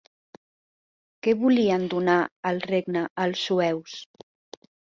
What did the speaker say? Què volien donar al regne els sueus?